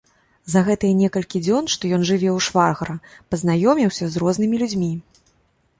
За гэтыя некалькі дзён, што ён жыве ў швагра, пазнаёміўся з рознымі людзьмі.